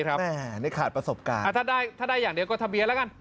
อ่ะอ้าเดี๋ยวขาดประสบการณ์ถ้าได้ให้อย่างเดียวก็ทะเบียนแล้วกัน